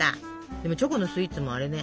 でもチョコのスイーツもあれね